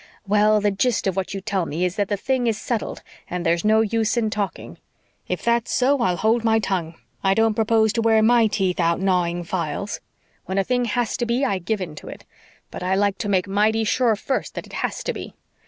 "Well, the gist of what you tell me is that the thing is settled and there's no use in talking. If that's so I'll hold my tongue. I don't propose to wear MY teeth out gnawing files. When a thing has to be I give in to it. But I like to make mighty sure first that it HAS to be.